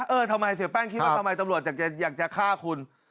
เออทำไมเสียแป้งคิดว่าทำไมตำรวจอยากจะฆ่าคุณ